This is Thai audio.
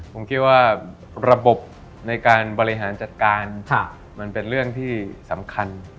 ผมคิดว่าระบบในการบริหารจัดการมันเป็นเรื่องที่สำคัญ